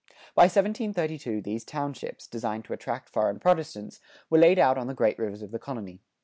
[96:4] By 1732 these townships, designed to attract foreign Protestants, were laid out on the great rivers of the colony.